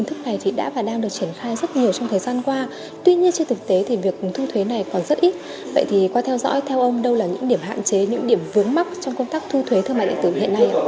tuy nhiên trên thực tế thì việc thu thuế này còn rất ít vậy thì qua theo dõi theo ông đâu là những điểm hạn chế những điểm vướng mắc trong công tác thu thuế thương mại điện tử hiện nay